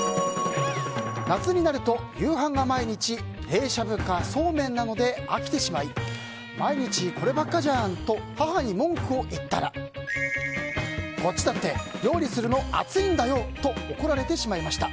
夏になると、夕飯が毎日冷しゃぶかそうめんなので飽きてしまい毎日こればっかじゃん！と母に文句を言ったらこっちだって料理するの暑いんだよ！と怒られてしまいました。